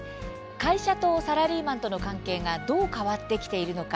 会社とサラリーマンとの関係がどう変わってきているのか